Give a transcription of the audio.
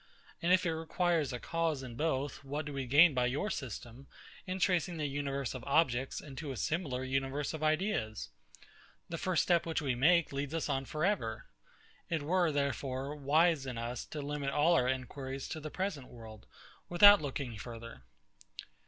And if it requires a cause in both, what do we gain by your system, in tracing the universe of objects into a similar universe of ideas? The first step which we make leads us on for ever. It were, therefore, wise in us to limit all our inquiries to the present world, without looking further.